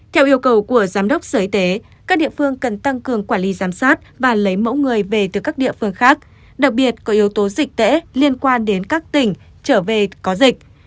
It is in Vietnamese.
theo yêu cầu của giám đốc sở y tế các địa phương cần tăng cường quản lý giám sát và lấy mẫu người về từ các địa phương khác đặc biệt có yếu tố dịch tễ liên quan đến các tỉnh trở về có dịch